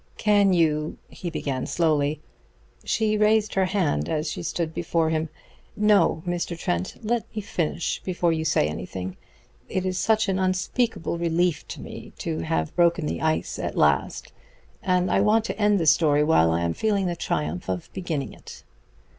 "Can you " he began slowly. She raised her hand as she stood before him. "No, Mr. Trent, let me finish before you say anything. It is such an unspeakable relief to me to have broken the ice at last, and I want to end the story while I am still feeling the triumph of beginning it."